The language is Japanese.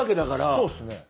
そうっすね。